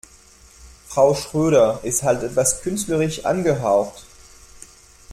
Frau Schröder ist halt etwas künstlerisch angehaucht.